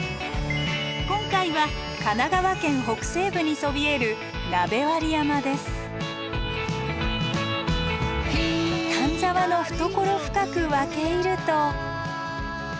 今回は神奈川県北西部にそびえる丹沢の懐深く分け入ると。